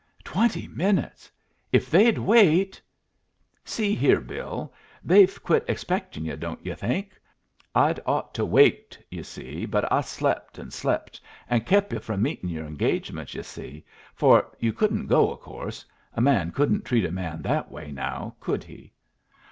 "Twenty minutes! If they'd wait " "See here, Bill. They've quit expecting yu', don't yu' think? I'd ought to waked, yu' see, but I slep' and slep', and kep' yu' from meetin' your engagements, yu' see for you couldn't go, of course. A man couldn't treat a man that way now, could he?"